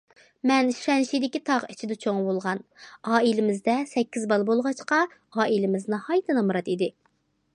مەن شەنشىدىكى تاغ ئىچىدە چوڭ بولغان، ئائىلىمىزدە سەككىز بالا بولغاچقا ئائىلىمىز ناھايىتى نامرات ئىدى.